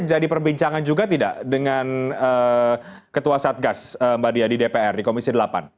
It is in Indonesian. jadi perbincangan juga tidak dengan ketua satgas mbak diah di dpr di komisi delapan